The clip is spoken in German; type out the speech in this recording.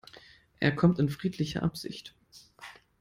Er kommt in friedlicher Absicht.